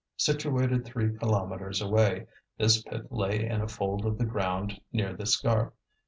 Situated three kilometres away, this pit lay in a fold of the ground near the Scarpe.